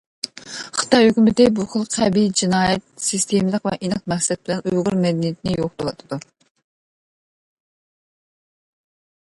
خىتاي ھۆكۈمىتى بۇ خىل قەبىھ جىنايەت ، سىستېمىلىق ۋە ئېنىق مەقسەت بىلەن ئۇيغۇر مەدەنىيىتىنى يوقىتىۋاتىدۇ.